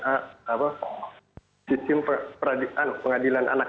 apa sistem pengadilan anak